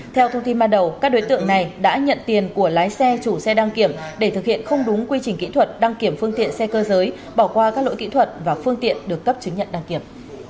theo thông tin ban đầu các đối tượng này đã nhận tiền của lái xe chủ xe đăng kiểm để thực hiện không đúng quy trình kỹ thuật đăng kiểm phương tiện xe cơ giới bỏ qua các lỗi kỹ thuật và phương tiện được cấp chứng nhận đăng kiểm